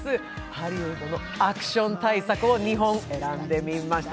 ハリウッドのアクション大作を２本選んでみました。